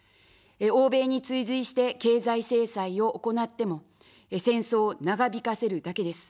欧米に追随して、経済制裁を行っても、戦争を長引かせるだけです。